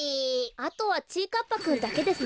あとはちぃかっぱくんだけですね。